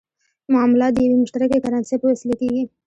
معاملات د یوې مشترکې کرنسۍ په وسیله کېږي.